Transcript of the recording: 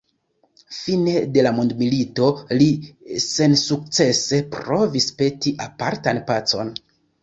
Fine de la mondomilito li sensukcese provis peti apartan pacon.